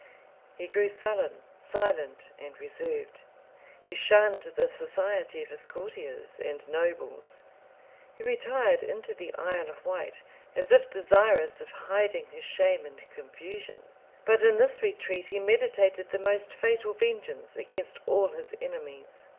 He grew sullen, silent, and reserved: he shunned the society of his courtiers and nobles: he retired into the Isle of Wight, as if desirous of hiding his shame and confusion; but in this retreat he meditated the most fatal vengeance against all his enemies.